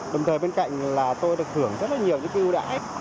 đồng thời bên cạnh là tôi được hưởng rất là nhiều những cái ưu đãi